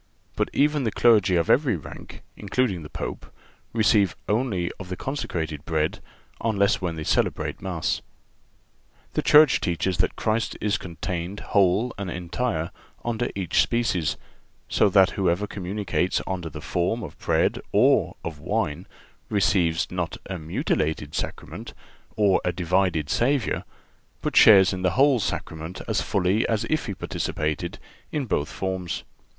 But even the clergy of every rank, including the Pope, receive only of the consecrated bread unless when they celebrate Mass. The Church teaches that Christ is contained whole and entire under each species; so that whoever communicates under the form of bread or of wine receives not a mutilated Sacrament or a divided Savior, but shares in the whole Sacrament as fully as if he participated in both forms.